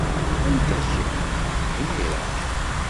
Anta kemm, imir-a?